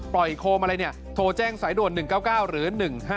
ปล่อยโคมอะไรโทรแจ้งสายด่วน๑๙๙หรือ๑๕๕๕